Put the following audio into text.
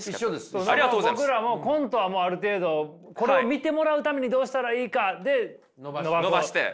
僕らもコントはもうある程度これを見てもらうためにどうしたらいいかで伸ばそう。